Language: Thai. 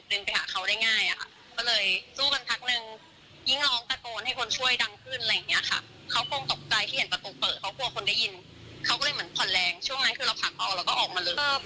เป็นผู้ชายใบรูดอะหิวสองสีแต่าโตและแบบผมฟลูเสอหน่อยอ่ะค่ะ